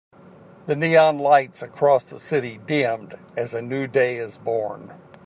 The neon lights across the city dimmed as a new day is born.